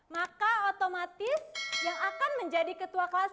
maka otomatis yang akan menjadi ketahuan